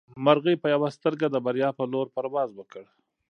مرغۍ په یوه سترګه د بریا په لور پرواز وکړ.